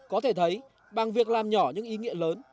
có thể thấy bằng việc làm nhỏ những ý nghĩa lớn